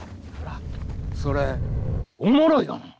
それおもろいがな。